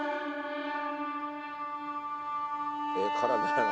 ええ体やな。